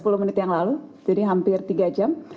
sepuluh menit yang lalu jadi hampir tiga jam